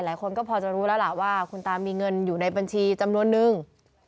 หลายคนก็พอจะรู้แล้วล่ะว่าคุณตามีเงินอยู่ในบัญชีจำนวนนึง